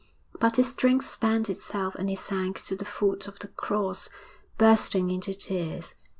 But his strength spent itself and he sank to the foot of the cross, bursting into tears.